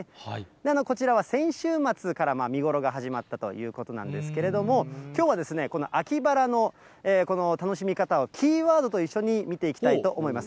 こちらは先週末から見頃が始まったということなんですけれども、きょうは、この秋バラの、この楽しみ方を、キーワードと一緒に見ていきたいと思います。